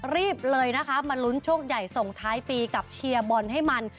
รีบเลยนะคะมาลุ้นโชคใหญ่ส่งท้ายปีกับเชียร์บอลให้มัน